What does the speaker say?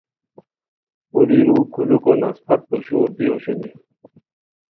پولیرو کھولوکو نس پھت پوشور دی اوشونی